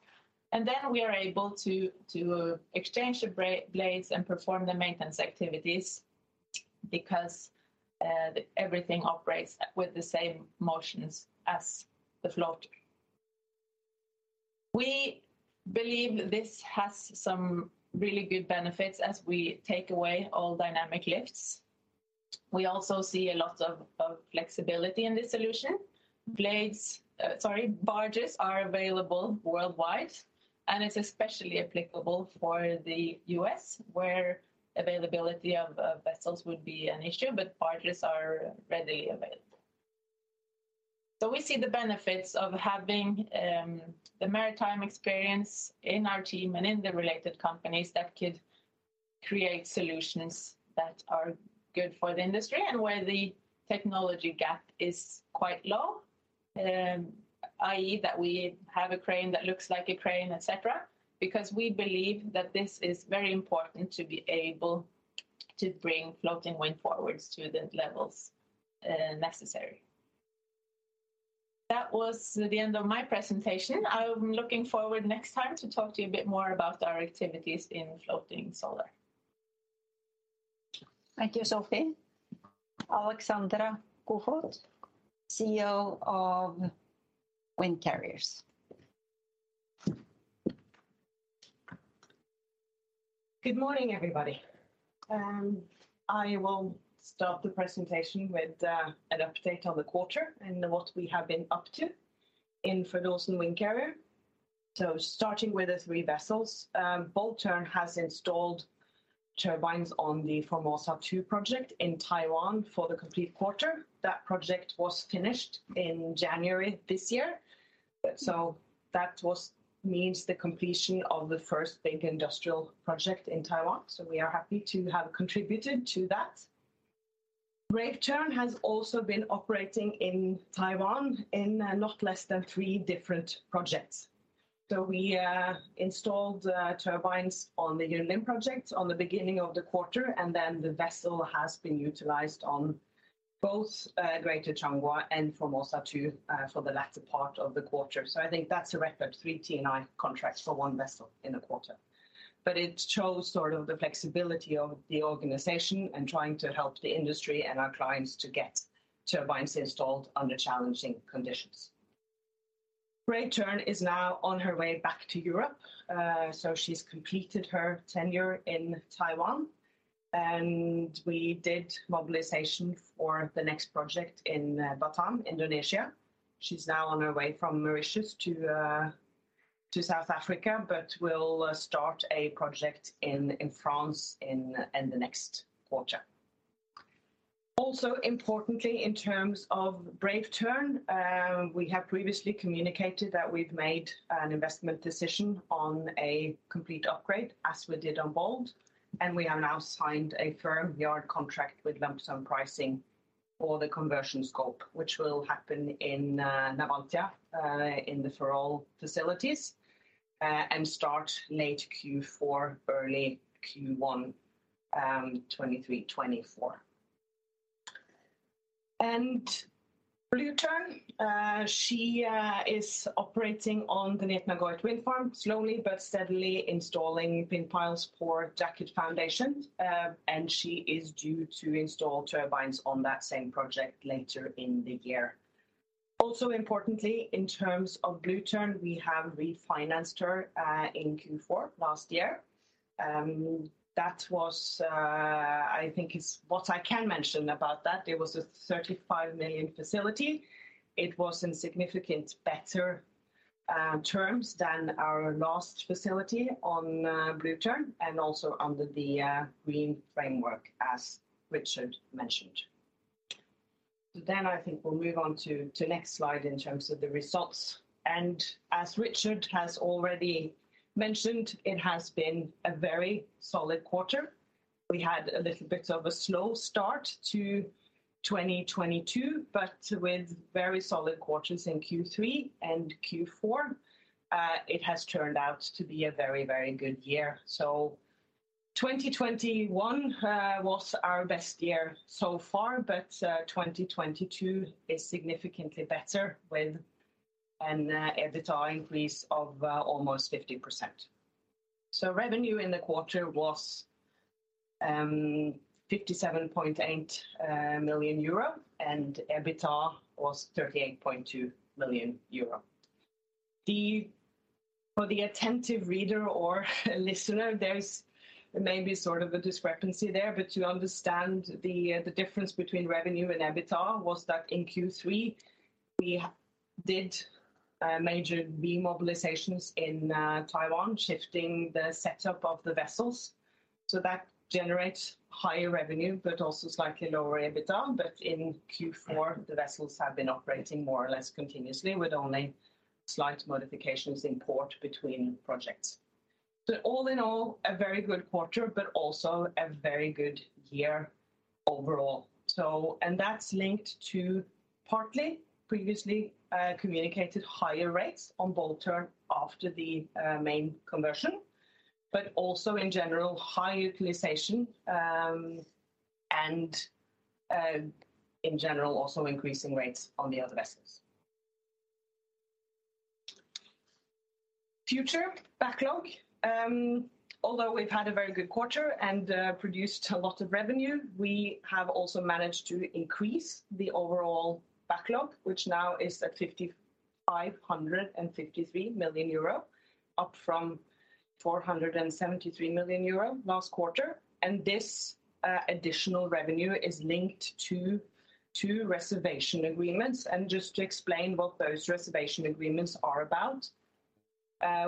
Speaker 5: We are able to exchange the blades and perform the maintenance activities because everything operates with the same motions as the floater. We believe this has some really good benefits as we take away all dynamic lifts. We also see a lot of flexibility in this solution. Blades, sorry, barges are available worldwide. It's especially applicable for the U.S. where availability of vessels would be an issue. Barges are readily available. We see the benefits of having the maritime experience in our team and in the related companies that could create solutions that are good for the industry and where the technology gap is quite low, i.e., that we have a crane that looks like a crane, et cetera, because we believe that this is very important to be able to bring floating wind forwards to the levels necessary. That was the end of my presentation. I'm looking forward next time to talk to you a bit more about our activities in floating solar.
Speaker 1: Thank you, Sofie. Alexandra Koefoed, CEO of Wind Carriers.
Speaker 6: Good morning, everybody. I will start the presentation with an update on the quarter and what we have been up to in Fred. Olsen Windcarrier. Starting with the three vessels, Bold Tern has installed turbines on the Formosa Two project in Taiwan for the complete quarter. That project was finished in January this year. That was means the completion of the first big industrial project in Taiwan, so we are happy to have contributed to that. Brave Tern has also been operating in Taiwan in not less than three different projects. We installed turbines on the Yunlin project on the beginning of the quarter, and then the vessel has been utilized on both Greater Changhua and Formosa Two for the latter part of the quarter. I think that's a record three T&I contracts for one vessel in a quarter. It shows sort of the flexibility of the organization in trying to help the industry and our clients to get turbines installed under challenging conditions. Brave Tern is now on her way back to Europe. She's completed her tenure in Taiwan, and we did mobilization for the next project in Batam, Indonesia. She's now on her way from Mauritius to South Africa, will start a project in France in the next quarter. Importantly, in terms of Brave Tern, we have previously communicated that we've made an investment decision on a complete upgrade, as we did on Bold, and we have now signed a firm yard contract with lump sum pricing for the conversion scope, which will happen in Navantia, in the Ferrol facilities, and start late Q4, early Q1 2023, 2024. Blue Tern, she is operating on the Nysted Wind Farm, slowly but steadily installing pin piles for jacket foundation. She is due to install turbines on that same project later in the year. Importantly, in terms of Blue Tern, we have refinanced her in Q4 last year. That was, I think it's what I can mention about that. It was a 35 million facility. It was in significant better terms than our last facility on Blue Tern, and also under the green framework, as Richard mentioned. I think we'll move on to next slide in terms of the results. As Richard has already mentioned, it has been a very solid quarter. We had a little bit of a slow start to 2022, but with very solid quarters in Q3 and Q4, it has turned out to be a very, very good year. 2021 was our best year so far, but 2022 is significantly better with an EBITDA increase of almost 50%. Revenue in the quarter was 57.8 million euro, and EBITDA was 38.2 million euro. For the attentive reader or listener, there's maybe sort of a discrepancy there. To understand the difference between revenue and EBITDA was that in Q3, we did major demobilizations in Taiwan, shifting the setup of the vessels. That generates higher revenue, but also slightly lower EBITDA. In Q4, the vessels have been operating more or less continuously with only slight modifications in port between projects. All in all, a very good quarter, but also a very good year overall. That's linked to partly previously communicated higher rates on Bold Tern after the main conversion, but also in general higher utilization, and in general also increasing rates on the other vessels. Future backlog. Although we've had a very good quarter and produced a lot of revenue, we have also managed to increase the overall backlog, which now is at 5,553 million euro, up from 473 million euro last quarter. This additional revenue is linked to two reservation agreements. Just to explain what those reservation agreements are about,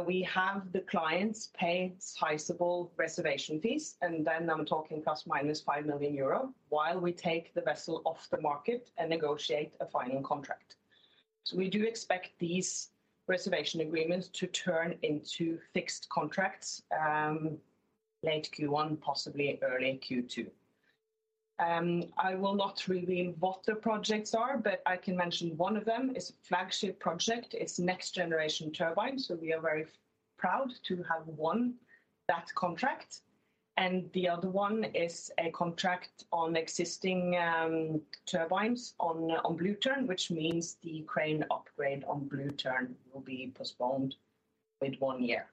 Speaker 6: we have the clients pay sizable reservation fees, and then I'm talking ±5 million euro, while we take the vessel off the market and negotiate a final contract. We do expect these reservation agreements to turn into fixed contracts late Q1, possibly early Q2. I will not reveal what the projects are, but I can mention one of them is a flagship project. It's next-generation turbine. We are very proud to have won that contract. The other one is a contract on existing turbines on Blue Tern, which means the crane upgrade on Blue Tern will be postponed with one year.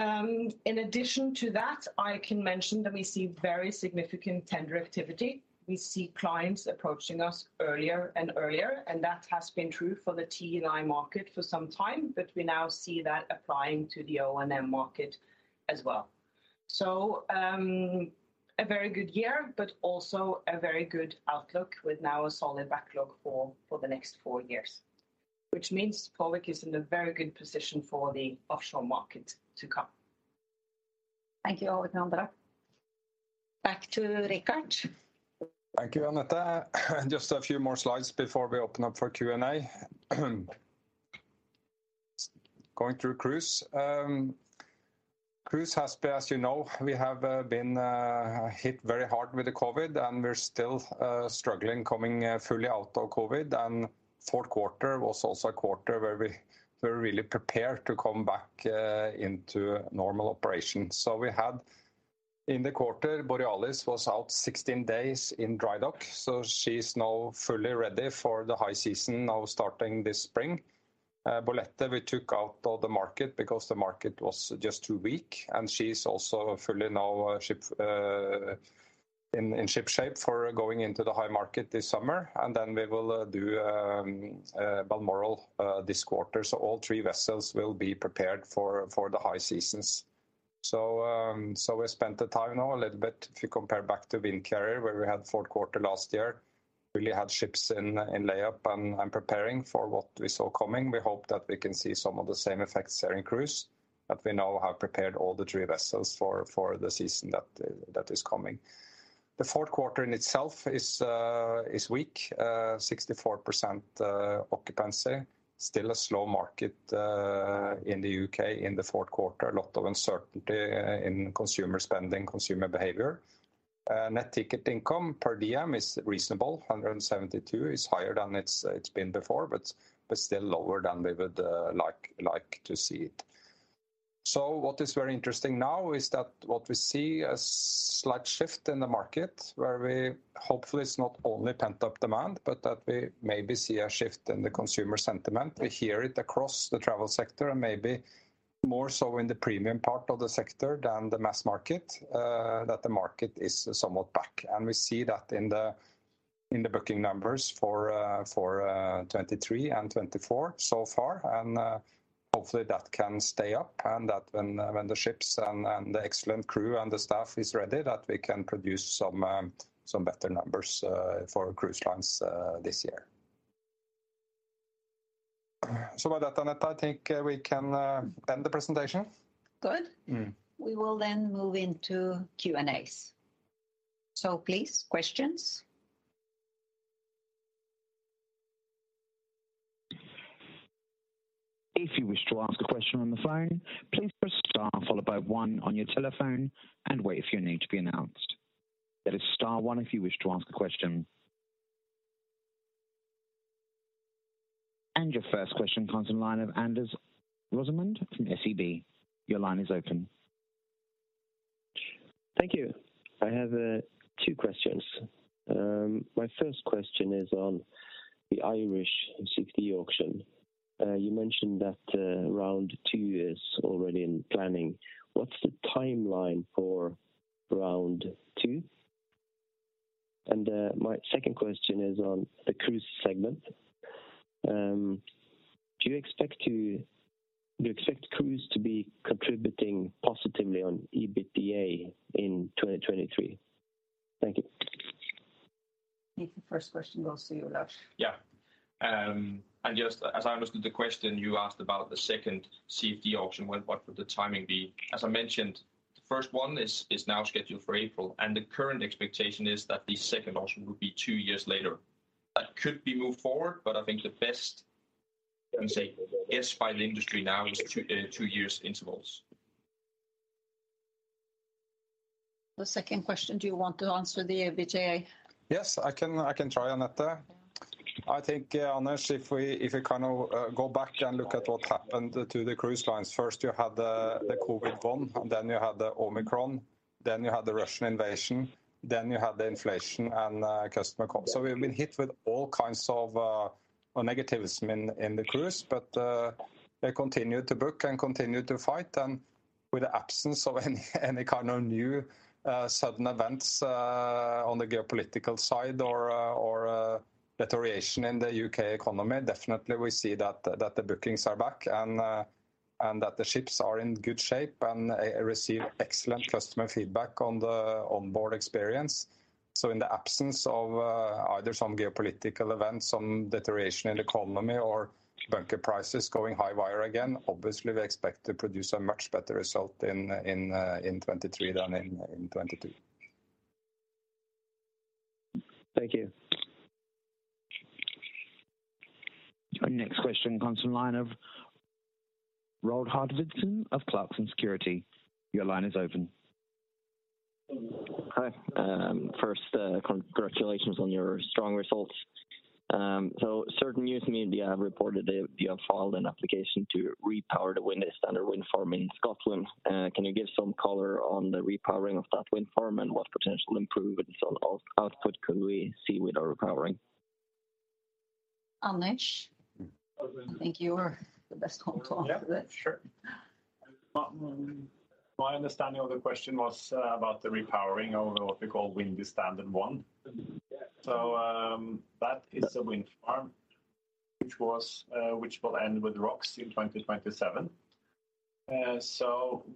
Speaker 6: In addition to that, I can mention that we see very significant tender activity. We see clients approaching us earlier and earlier, and that has been true for the T&I market for some time, but we now see that applying to the O&M market as well. A very good year, but also a very good outlook with now a solid backlog for the next four years. Which means Polarc is in a very good position for the offshore market to come.
Speaker 1: Thank you all. Now back to Richard.
Speaker 2: Thank you, Anette. Just a few more slides before we open up for Q&A. Going through Cruise. Cruise has, as you know, we have been hit very hard with the COVID, and we're still struggling coming fully out of COVID. Fourth quarter was also a quarter where we were really prepared to come back into normal operation. We had in the quarter, Borealis was out 16 days in dry dock, so she's now fully ready for the high season now starting this spring. Bolette we took out of the market because the market was just too weak, and she's also fully now in ship shape for going into the high market this summer. We will do Balmoral this quarter. All three vessels will be prepared for the high seasons. We spent the time now a little bit to compare back to Fred. Olsen Windcarrier, where we had fourth quarter last year, really had ships in layup and preparing for what we saw coming. We hope that we can see some of the same effects here in Cruise, but we now have prepared all the three vessels for the season that is coming. The fourth quarter in itself is weak, 64% occupancy. Still a slow market in the U.K. in the fourth quarter. A lot of uncertainty in consumer spending, consumer behavior. Net ticket income per diem is reasonable. 172 is higher than it's been before, but it's still lower than we would like to see it. What is very interesting now is that what we see a slight shift in the market where we hopefully it's not only pent-up demand, but that we maybe see a shift in the consumer sentiment. We hear it across the travel sector and maybe more so in the premium part of the sector than the mass market, that the market is somewhat back. We see that in the booking numbers for 2023 and 2024 so far. Hopefully that can stay up and that when the ships and the excellent crew and the staff is ready, that we can produce some better numbers for Cruise Lines this year. With that, Anette, I think we can end the presentation.
Speaker 1: Good.
Speaker 2: Mm.
Speaker 1: We will move into Q&As. Please, questions.
Speaker 7: If you wish to ask a question on the phone, please press star followed by one on your telephone and wait for your name to be announced. That is star one if you wish to ask a question. Your first question comes on line of Anders Rosenlund from SEB. Your line is open.
Speaker 8: Thank you. I have two questions. My first question is on the Irish CFD auction. You mentioned that round two is already in planning. What's the timeline for round two? My second question is on the cruise segment. Do you expect cruise to be contributing positively on EBITDA in 2023? Thank you.
Speaker 1: I think the first question goes to you, Lars.
Speaker 4: Yeah. Just as I understood the question you asked about the second CFD auction, when would the timing be? As I mentioned, the first one is now scheduled for April. The current expectation is that the second auction will be two years later. That could be moved forward, but I think the best, let me say, guess by the industry now is two years intervals.
Speaker 1: The second question, do you want to answer the EBITDA?
Speaker 2: Yes, I can try, Anette. I think, Anders, if we kind of go back and look at what happened to the cruise lines. First you had the COVID one, then you had the Omicron, then you had the Russian invasion, then you had the inflation and customer comp. We've been hit with all kinds of negativism in the cruise. They continued to book and continued to fight. With the absence of any kind of new sudden events on the geopolitical side or deterioration in the U.K. economy, definitely we see that the bookings are back and that the ships are in good shape and receive excellent customer feedback on the onboard experience. In the absence of, either some geopolitical events, some deterioration in the economy or bunker prices going high wire again, obviously we expect to produce a much better result in 23 than in 22.
Speaker 8: Thank you.
Speaker 7: Our next question comes from line of Roald Hartvigsen of Clarksons Securities. Your line is open.
Speaker 9: Hi. First, congratulations on your strong results. Certain news media have reported that you have filed an application to repower the Windy Standard wind farm in Scotland. Can you give some color on the repowering of that wind farm and what potential improvements on out-output could we see with the repowering?
Speaker 1: Anders, I think you are the best one to answer that.
Speaker 3: Yeah, sure. My understanding of the question was about the repowering of what we call Windy Standard one. That is a wind farm which was which will end with ROCs in 2027.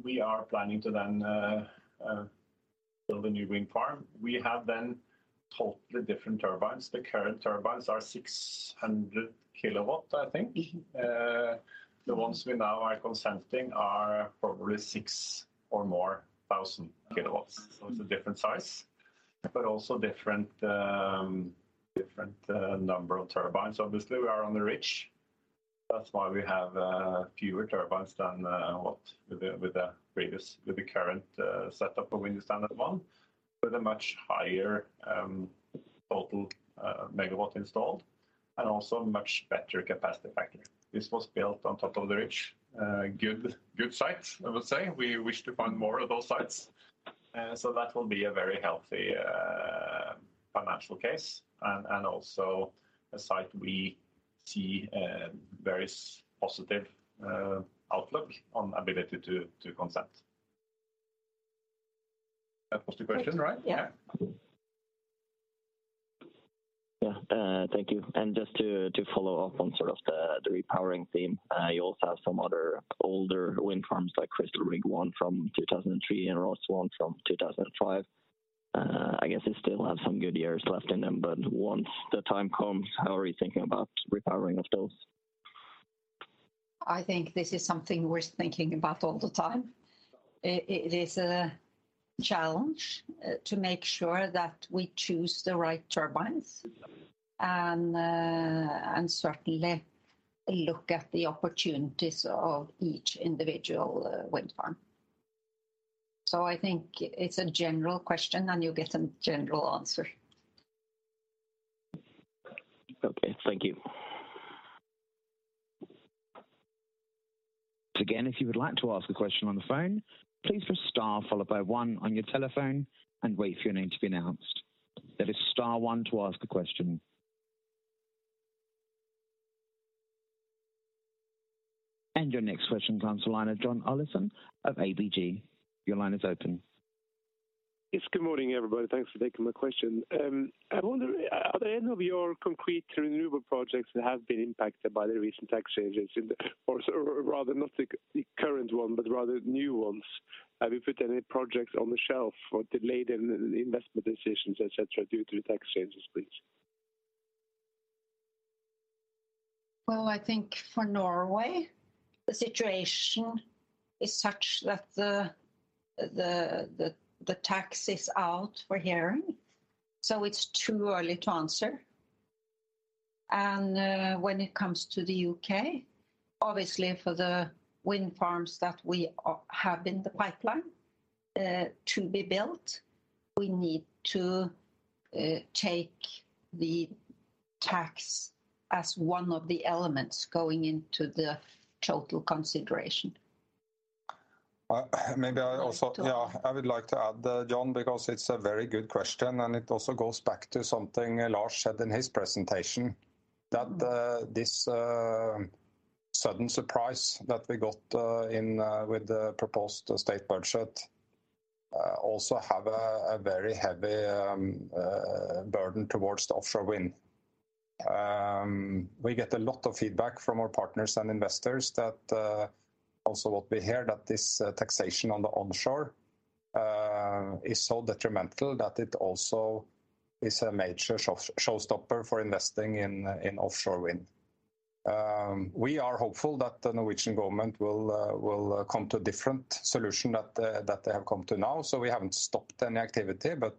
Speaker 3: We are planning to then build a new wind farm. We have then totally different turbines. The current turbines are 600 kW, I think. The ones we now are consenting are probably 6,000 kW or more kilowatts. It's a different size, but also different number of turbines. Obviously, we are on the ridge. That's why we have fewer turbines than with the current setup of Windy Standard one, with a much higher total megawatt installed and also much better capacity factor. This was built on top of the ridge. good site, I would say. We wish to find more of those sites. That will be a very healthy, financial case and also a site we see a very positive, outlook on ability to consent. That was the question, right?
Speaker 1: Yeah.
Speaker 9: Yeah. Thank you. Just to follow up on sort of the repowering theme, you also have some other older wind farms like Crystal Rig I from 2003 and Rothes I from 2005. I guess they still have some good years left in them, but once the time comes, how are you thinking about repowering of those?
Speaker 1: I think this is something worth thinking about all the time. It is a challenge to make sure that we choose the right turbines and certainly look at the opportunities of each individual wind farm. I think it's a general question, and you'll get a general answer.
Speaker 9: Okay. Thank you.
Speaker 7: Again, if you would like to ask a question on the phone, please press star followed by one on your telephone and wait for your name to be announced. That is star one to ask a question. Your next question comes to line of Jørgen Lian of DNB Markets. Your line is open.
Speaker 10: Yes. Good morning, everybody. Thanks for taking my question. I wonder, are there any of your concrete renewable projects that have been impacted by the recent tax changes in the... Rather not the current one, but rather new ones. Have you put any projects on the shelf or delayed in investment decisions, et cetera, due to the tax changes, please?
Speaker 1: I think for Norway, the situation is such that the tax is out for hearing, so it's too early to answer. When it comes to the U.K., obviously for the wind farms that we have in the pipeline to be built, we need to take the tax as one of the elements going into the total consideration.
Speaker 2: maybe I also-.
Speaker 1: To-
Speaker 2: I would like to add, Jørgen, because it's a very good question, and it also goes back to something Lars said in his presentation.
Speaker 1: Mm.
Speaker 2: This sudden surprise that we got in with the proposed state budget also have a very heavy burden towards the offshore wind. We get a lot of feedback from our partners and investors that also what we hear that this taxation on the onshore is so detrimental that it also is a major showstopper for investing in offshore wind. We are hopeful that the Norwegian government will come to a different solution that they have come to now. We haven't stopped any activity, but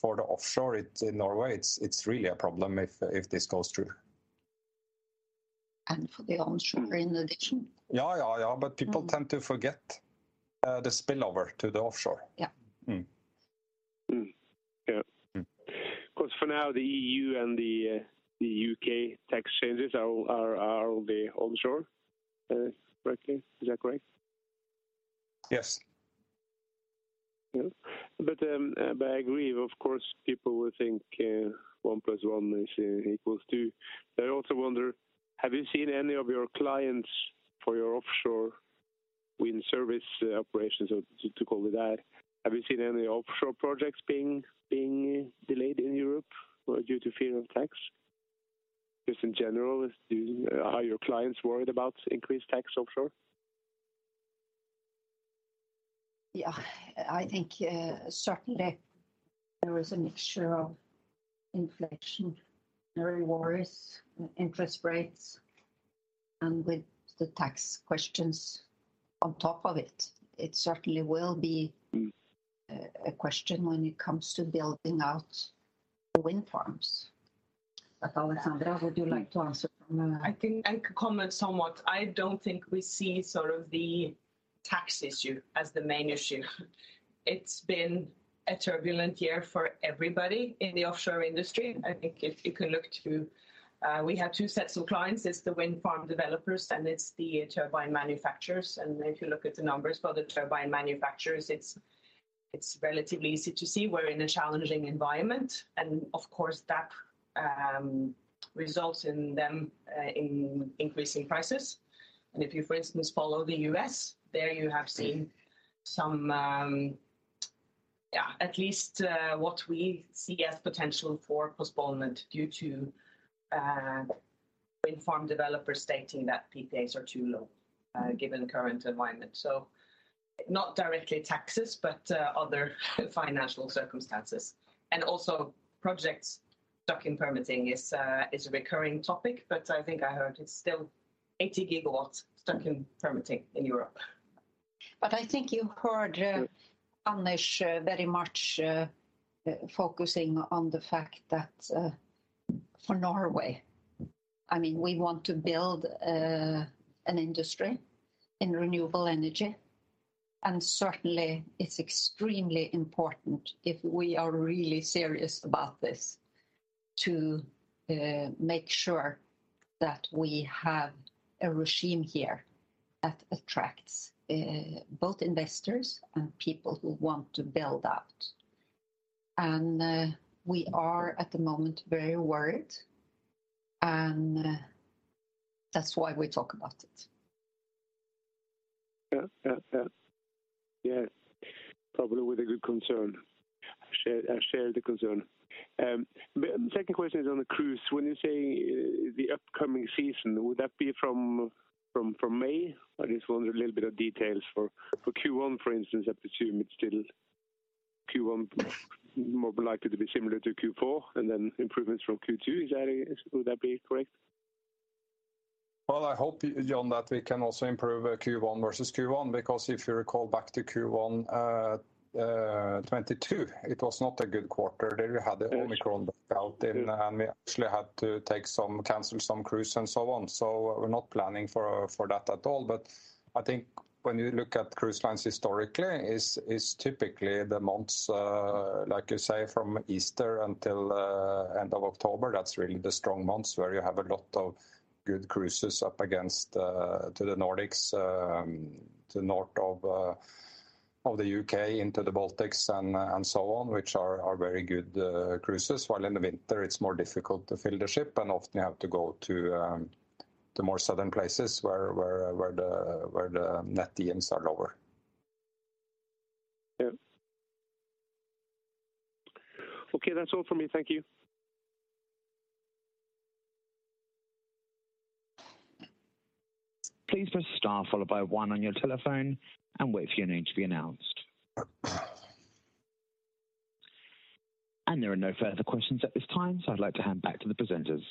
Speaker 2: for the offshore in Norway, it's really a problem if this goes through.
Speaker 1: For the onshore in addition.
Speaker 2: Ja, ja.
Speaker 1: Mm.
Speaker 2: People tend to forget the spillover to the offshore.
Speaker 1: Yeah.
Speaker 2: Mm.
Speaker 10: Mm. Yeah.
Speaker 2: Mm.
Speaker 10: 'Cause for now, the EU and the U.K. tax changes are on the onshore, roughly, is that correct?
Speaker 2: Yes.
Speaker 10: Yeah. I agree. Of course, people will think, 1+1 is equals 2. I also wonder, have you seen any of your clients for your offshore wind service operations, to call it that, have you seen any offshore projects being delayed in Europe or due to fear of tax? Just in general, are your clients worried about increased tax offshore?
Speaker 1: I think, certainly there is a mixture of inflationary worries, interest rates, and with the tax questions on top of it. It certainly will be.
Speaker 10: Mm...
Speaker 1: a question when it comes to building out the wind farms. Alexandra, would you like to answer.
Speaker 6: I can comment somewhat. I don't think we see sort of the tax issue as the main issue. It's been a turbulent year for everybody in the offshore industry. I think if you can look to, we have two sets of clients. It's the wind farm developers and it's the turbine manufacturers. If you look at the numbers for the turbine manufacturers, it's relatively easy to see we're in a challenging environment. Of course, that results in them in increasing prices. If you, for instance, follow the U.S., there you have seen some, at least, what we see as potential for postponement due to wind farm developers stating that PPAs are too low given the current environment. Not directly taxes, but other financial circumstances. Also projects stuck in permitting is a recurring topic, but I think I heard it's still 80 GW stuck in permitting in Europe.
Speaker 1: I think you heard Anders very much focusing on the fact that for Norway, I mean, we want to build an industry in renewable energy. Certainly, it's extremely important, if we are really serious about this, to make sure that we have a regime here that attracts both investors and people who want to build that. We are, at the moment, very worried and that's why we talk about it.
Speaker 10: Yeah. Yeah. Yeah. Yes. Probably with a good concern. I share the concern. Second question is on the cruise. When you say the upcoming season, would that be from May? I just wonder a little bit of details for Q1, for instance. I presume it's still Q1 more likely to be similar to Q4, and then improvements from Q2. Would that be correct?
Speaker 2: I hope, Jørgen, that we can also improve, Q1 versus Q1, because if you recall back to Q1, 2022, it was not a good quarter. There we had the Omicron breakout in.
Speaker 10: Mm.
Speaker 2: We actually had to cancel some cruise and so on. We're not planning for that at all. I think when you look at cruise lines historically, is typically the months, like you say, from Easter until end of October. That's really the strong months where you have a lot of good cruises up against to the Nordics, to north of the U.K. into the Baltics and so on, which are very good cruises. While in the winter it's more difficult to fill the ship, and often you have to go to the more southern places where the net VMs are lower.
Speaker 10: Yeah. Okay. That's all from me. Thank you.
Speaker 7: Please press Star followed by one on your telephone and wait for your name to be announced. There are no further questions at this time, so I'd like to hand back to the presenters.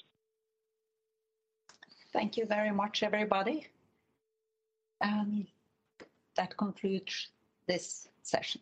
Speaker 1: Thank you very much, everybody. That concludes this session.